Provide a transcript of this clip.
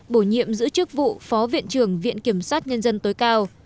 bổ nhiệm giữ chức vụ phó viện trưởng viện kiểm sát nhân dân tối cao